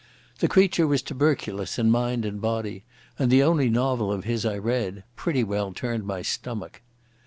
The creature was tuberculous in mind and body, and the only novel of his I read, pretty well turned my stomach.